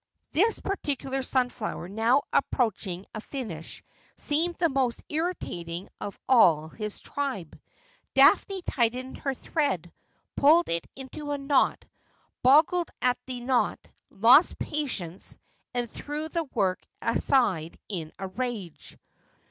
This particular sunflower now approaching a finish seemed the most irritating of all his tribe. Daphne tightened her thread, pulled it into a knot, boggled at the knot, lost patience, and threw the work aside in a rage.